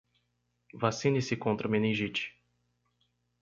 Vacine-se contra meningite